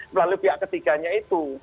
melalui pihak ketiganya itu